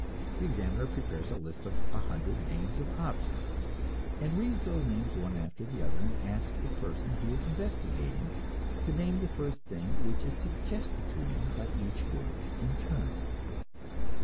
The examiner prepares a list of a hundred names of objects, and reads those names one after another, and asks the person he is investigating to name the first thing which is suggested to him by each word in turn.